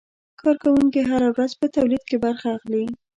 کارکوونکي هره ورځ په تولید کې برخه اخلي.